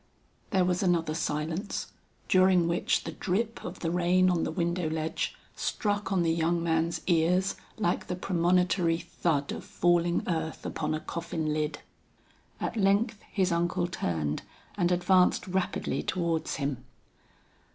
There was another silence, during which the drip of the rain on the window ledge struck on the young man's ears like the premonitory thud of falling earth upon a coffin lid. At length his uncle turned and advanced rapidly towards him.